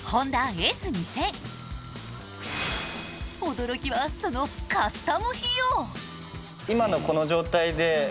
驚きはそのカスタム費用